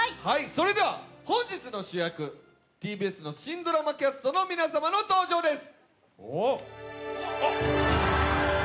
それでは本日の主役、ＴＢＳの新ドラマキャストの皆さんの登場です。